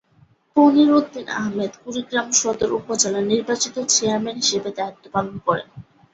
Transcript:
পনির উদ্দিন আহমেদ কুড়িগ্রাম সদর উপজেলার নির্বাচিত চেয়ারম্যান হিসেবে দায়িত্ব পালন করেন।